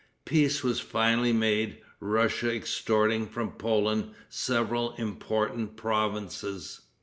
Peace was finally made, Russia extorting from Poland several important provinces.